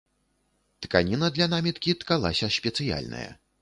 Тканіна для наміткі ткалася спецыяльная.